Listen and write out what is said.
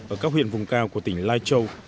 ở các huyện vùng cao của tỉnh lai châu